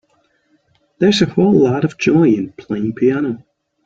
There is a whole lot of joy in playing piano.